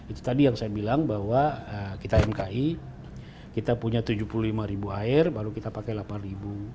itu tadi yang saya bilang bahwa kita mki kita punya tujuh puluh lima ribu air baru kita pakai delapan ribu